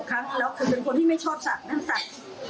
แล้วคือเป็นคนที่ไม่ชอบศักดิ์ทั้งศักดิ์